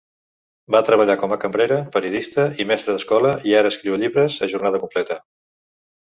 Va treballar com a cambrera, periodista i mestra d'escola i ara escriu llibres a jornada completa.